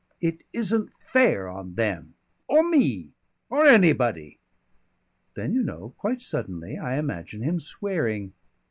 "It isn't fair on them or me or anybody!" Then you know, quite suddenly, I imagine him swearing.